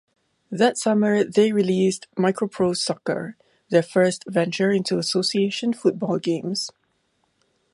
That summer they released "Microprose Soccer", their first venture into association football games.